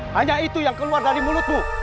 hanya itu yang keluar dari mulutmu